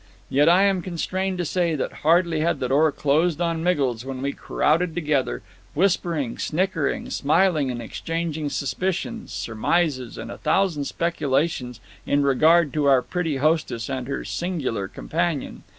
Yet I am constrained to say that hardly had the door closed on Miggles than we crowded together, whispering, snickering, smiling, and exchanging suspicions, surmises, and a thousand speculations in regard to our pretty hostess and her singular companion.